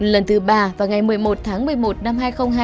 lần thứ ba vào ngày một mươi một tháng một mươi một năm hai nghìn hai mươi